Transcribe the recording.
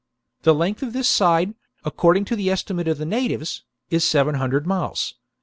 The length of this side, according to the estimate of the natives, is seven hundred miles.